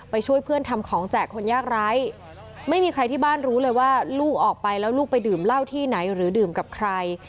ช่วยเพื่อนทำของแจกคนยากไร้ไม่มีใครที่บ้านรู้เลยว่าลูกออกไปแล้วลูกไปดื่มเหล้าที่ไหนหรือดื่มกับใคร